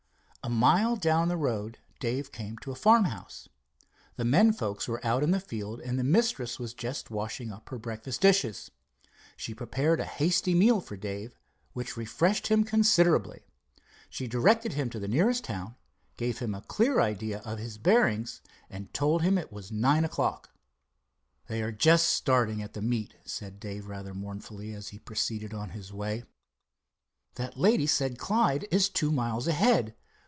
A mile down the road Dave came to a farmhouse. The men folks were out in the field and the mistress was just washing up her breakfast dishes. She prepared a hasty meal for Dave, which refreshed him considerably. She directed him to the nearest town, gave him a clear idea of his bearings, and told him it was nine o'clock. "They are just starting at the meet," said Dave rather mournfully, as he proceeded on his way. "That lady said Clyde is two miles ahead.